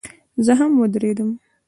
زه هم ودرېدم.